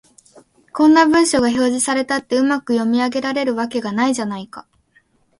こんな文章が表示されたって、うまく読み上げられるわけがないじゃないか